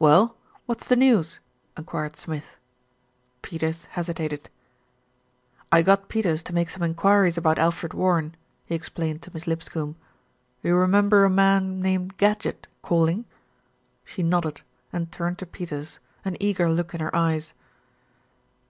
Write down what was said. "Well, what's the news?" enquired Smith. Peters hesitated. "I got Peters to make some enquiries about Alfred Warren," he explained to Miss Lipscombe. "You re member a man named Gadgett calling?" She nodded, and turned to Peters, an eager look in her eyes.